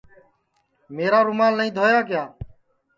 میرا رومال نائی دھویا کیا